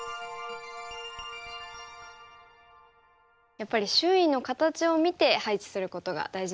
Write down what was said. やっぱり周囲の形を見て配置することが大事なんですね。